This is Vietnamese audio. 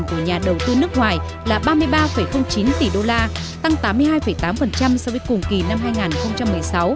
của nhà đầu tư nước ngoài là ba mươi ba chín tỷ đô la tăng tám mươi hai tám so với cùng kỳ năm hai nghìn một mươi sáu